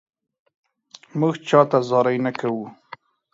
مونږ چاته زاري نه کوو